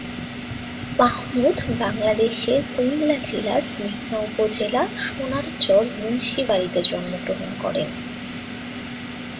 মাহমুদ বাংলাদেশের কুমিল্লা জেলার মেঘনা উপজেলা সোনার চর মুন্সী বাড়িতে জন্মগ্রহণ করেন।